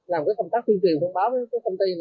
làm công tác phiên truyền thông báo tới các công ty